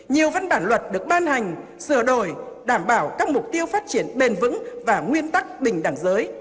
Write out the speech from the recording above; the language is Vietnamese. nhiều văn bản luật được ban hành sửa đổi đảm bảo các mục tiêu phát triển bền vững và nguyên tắc bình đẳng giới